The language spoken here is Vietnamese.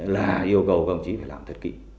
là yêu cầu công chí phải làm thật kỹ